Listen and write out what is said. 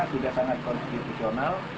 sudah sangat konstitusional